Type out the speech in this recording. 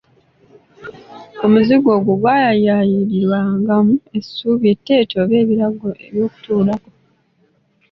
Omuzigo ogwo gwayayayirirwangamu essubi etteete oba ebirago eby'okutuulako.